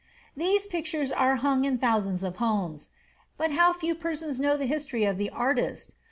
These pictures are hung in thousands of homes; but how few persons know the history of the artist!